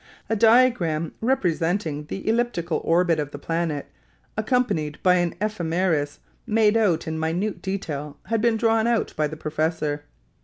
A diagram representing the elliptical orbit of the planet, accompanied by an ephemeris made out in minute detail, had been drawn out by the professor.